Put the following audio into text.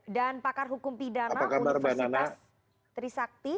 dan pakar hukum pidana universitas trisakti